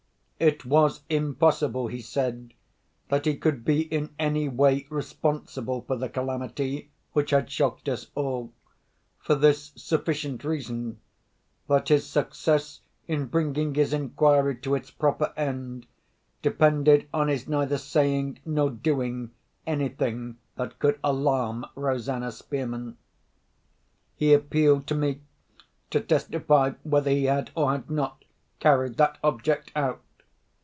It was impossible, he said, that he could be in any way responsible for the calamity, which had shocked us all, for this sufficient reason, that his success in bringing his inquiry to its proper end depended on his neither saying nor doing anything that could alarm Rosanna Spearman. He appealed to me to testify whether he had, or had not, carried that object out.